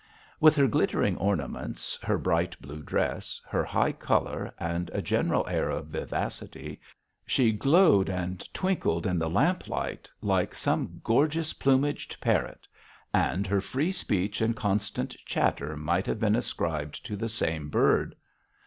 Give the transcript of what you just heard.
With her glittering ornaments, her bright blue dress, her high colour, and general air of vivacity, she glowed and twinkled in the lamp light like some gorgeous plumaged parrot; and her free speech and constant chatter might have been ascribed to the same bird.